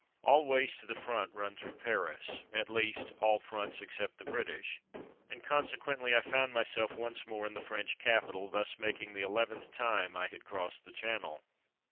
All ways to the front run through Paris — at least, all fronts except the British, and, consequently, I found myself once more in the French capital, thus making the eleventh time I had crossed the channel.